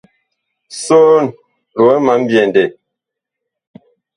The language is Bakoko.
Soon, lowɛ ma mbyɛndɛ.